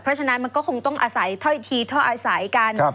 เพราะฉะนั้นมันก็คงต้องอาศัยเท่าอีกทีเท่าอาศัยกัน